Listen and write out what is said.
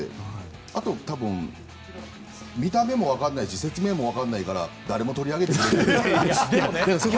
あとは、見た目もわからないし説明もわからないから誰も取り上げてくれないと。